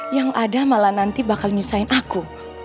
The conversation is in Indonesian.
yang ada malah nanti bakal nyusahin aku